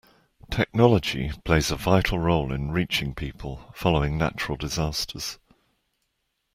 Technology plays a vital role in reaching people following natural disasters.